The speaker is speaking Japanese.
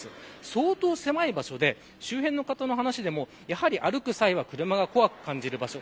相当狭い場所で、周辺の方の話でも、やはり歩く際は車が怖く感じる場所。